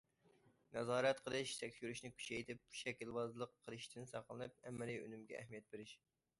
نازارەت قىلىش، تەكشۈرۈشنى كۈچەيتىپ، شەكىلۋازلىق قىلىشتىن ساقلىنىپ، ئەمەلىي ئۈنۈمگە ئەھمىيەت بېرىش.